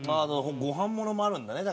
ご飯ものもあるんだね。